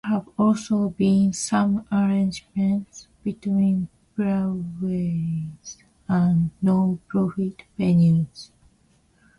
There have also been some arrangements between breweries and non profit venues.